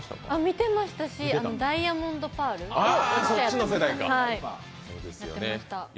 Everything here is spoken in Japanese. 見てましたし、ダイヤモンドパールやってました。